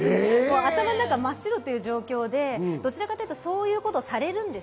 頭の中が真っ白という状況でどちらかというと、そういうことされるんです。